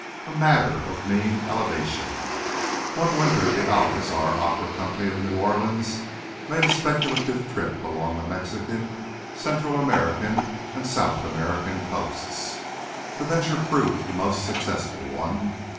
V A MATTER OF MEAN ELEVATION One winter the Alcazar Opera Company of New Orleans made a speculative trip along the Mexican, Central American and South American coasts. The venture proved a most successful one.